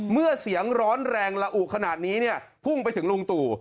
เมื่อเสียงร้อนแรงละอุขนาดนี้เนี่ยพุ่งไปถึงลุงตู่